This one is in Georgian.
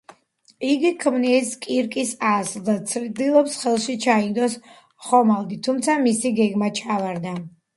იგი ქმნის კირკის ასლს და ცდილობს ხელში ჩაიგდოს ხომალდი, თუმცა მისი გეგმა ჩავარდა.